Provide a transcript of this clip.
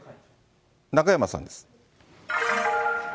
中山さんです。